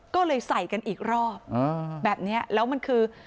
ก็เลยใส่กันอีกรอบแบบนี้แล้วมันคือ